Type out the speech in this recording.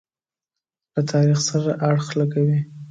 له تاریخ سره اړخ لګوي.